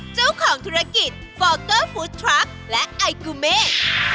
เจ้าของธุรกิจฟอร์เกอร์ฟู้ดทรัปและไอกูเมฆ